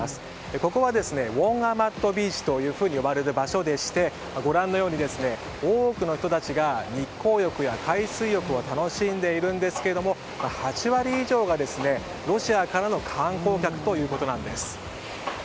ここはウォンアマットビーチと呼ばれる場所でしてご覧のように、多くの人たちが日光浴や海水浴を楽しんでいるんですけれども８割以上がロシアからの観光客ということです。